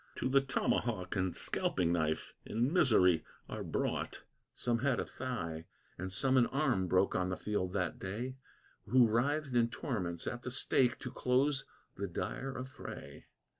To the tomahawk and scalping knife in misery are brought. Some had a thigh and some an arm broke on the field that day, Who writhed in torments at the stake to close the dire affray.